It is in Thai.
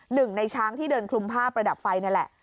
หนึ่งในช้างที่เดินคลุมผ้าประดับไฟนี่แหละ